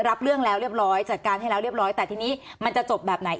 รับเรื่องแล้วเรียบร้อยจัดการให้แล้วเรียบร้อยแต่ทีนี้มันจะจบแบบไหน